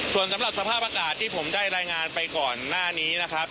ส่วนสำหรับสภาพอากาศที่ผมได้รายงานไปก่อนหน้านี้นะครับ